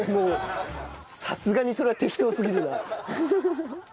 さすがにそれは適当すぎるな。